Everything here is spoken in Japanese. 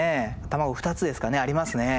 卵２つですかねありますね。